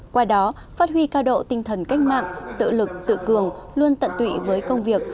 qua đó phát huy cao độ tinh thần cách mạng tự lực tự cường luôn tận tụy với công việc